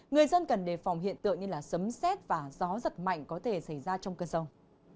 người dân cần đề phòng hiện tượng như sấm xét và gió giật mạnh có thể xảy ra trong cơn rông